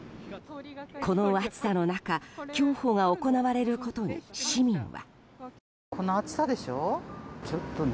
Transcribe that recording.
この暑さの中競歩が行われることに市民は。